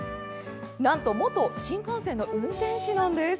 なんと元新幹線の運転士なんです。